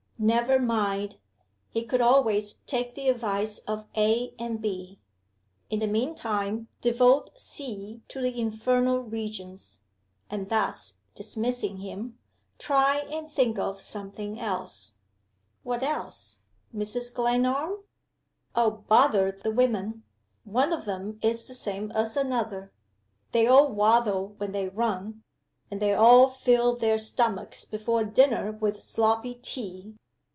Never mind! he could always take the advice of A. and B. In the mean time devote C. to the infernal regions; and, thus dismissing him, try and think of something else. What else? Mrs. Glenarm? Oh, bother the women! one of them is the same as another. They all waddle when they run; and they all fill their stomachs before dinner with sloppy tea.